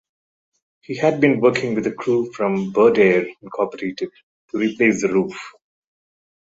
He had been working with a crew from Birdair Incorporated, to replace the roof.